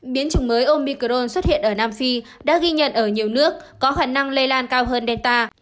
biến chủng mới omicron xuất hiện ở nam phi đã ghi nhận ở nhiều nước có khả năng lây lan cao hơn delta